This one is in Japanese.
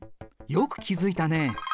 よく気付いたね。